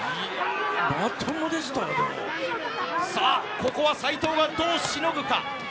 ここは斎藤、どうしのぐか。